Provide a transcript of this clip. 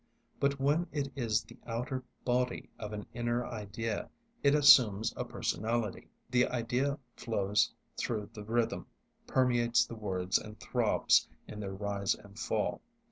But when it is the outer body of an inner idea it assumes a personality. The idea flows through the rhythm, permeates the words and throbs in their rise and fall.